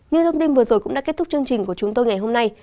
như thông tin vừa rồi cũng đã kết thúc chương trình của chúng tôi ngày hôm nay